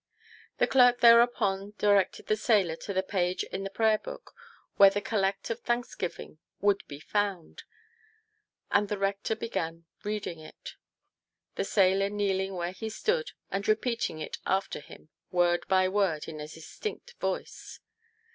The clerk thereupon directed the sailor to the page in the Prayer book where the collect of thanksgiving would be found, and the rector began reading it, the sailor kneeling where he stood, and repeating it after him word by word in a distinct voice.